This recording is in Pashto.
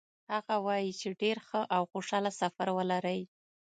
هغه وایي چې ډېر ښه او خوشحاله سفر ولرئ.